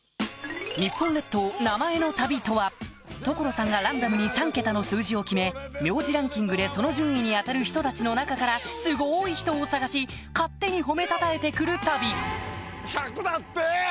日本列島名前の旅とは所さんがランダムに３桁の数字を決め名字ランキングでその順位に当たる人たちの中からすごい人を探し勝手に褒めたたえて来る旅１００だって！